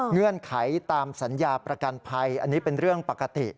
เงื่อนไขตามสัญญาประกันภัยอันนี้เป็นเรื่องปกติ